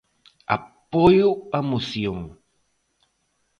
Apoio a moción.